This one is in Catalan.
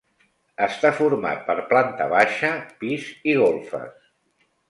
Està format per planta baixa, pis i golfes.